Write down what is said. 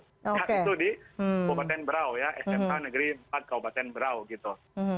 nah itu di kabupaten brau ya smk negeri empat kabupaten brau gitu